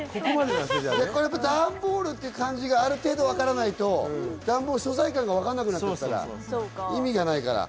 ダンボールっていう感じがある程度わからないと、素材感がわからなくなっちゃうから、意味がないから。